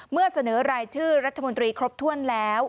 เมื่อเสนอรายชื่อรัฐมนตรีครบถ้วนแล้ว